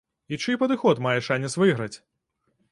І чый падыход мае шанец выйграць?